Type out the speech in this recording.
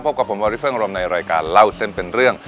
พบกับผมวาริเฟิงอารมณ์ในรายการเล่าเส้นเป็นเรื่อง